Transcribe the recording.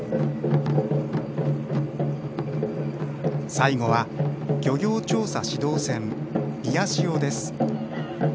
最後は漁業調査指導船みやしおです。